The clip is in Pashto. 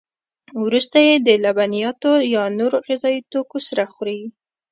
وروسته یې د لبنیاتو یا نورو غذایي توکو سره خوري.